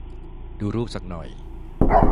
ดูรูปสักหน่อย